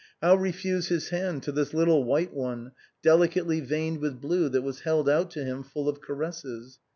How re fuse his hand to this little white one, delicately veined with blue, that was held out to him full of caresses